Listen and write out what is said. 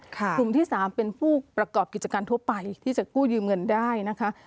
กลุ่มที่๓เป็นผู้ประกอบกิจการทั่วไปที่จะกู้ยืมเงินได้นะคะ